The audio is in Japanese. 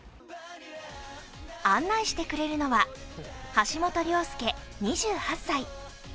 案内してくれるのは橋本良亮２８歳。